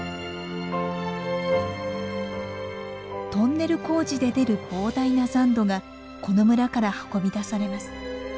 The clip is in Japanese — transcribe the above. トンネル工事で出る膨大な残土がこの村から運び出されます。